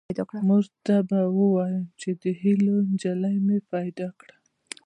مور ته به ووایم چې د هیلو نجلۍ مې پیدا کړه